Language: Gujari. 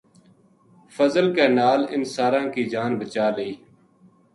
فضل کے نال اِنھ ساراں کی جان بچا لئی